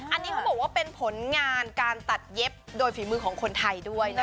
อันนี้เขาบอกว่าเป็นผลงานการตัดเย็บโดยฝีมือของคนไทยด้วยนะคะ